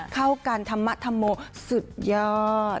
เข้ากันธรรมธรรโมสุดยอด